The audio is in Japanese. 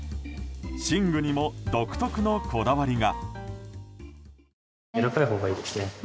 寝具にも独特のこだわりが。